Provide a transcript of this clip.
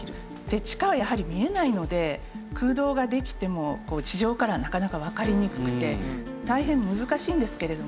地下はやはり見えないので空洞ができても地上からはなかなかわかりにくくて大変難しいんですけれども。